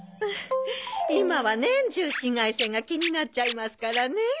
今は年中紫外線が気になっちゃいますからね。